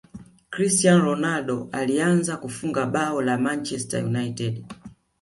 cristiano ronaldo alianza kufunga bao la manchester unite